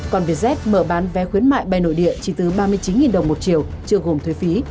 còn vietjet mở bán vé khuyến mại bay nội địa chỉ từ ba mươi chín đồng một triệu chưa gồm thuế phí